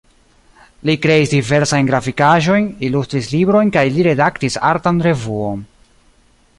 Li kreis diversajn grafikaĵojn, ilustris librojn kaj li redaktis artan revuon.